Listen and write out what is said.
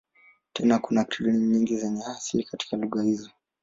Tena kuna Krioli nyingi zenye asili katika lugha hizo.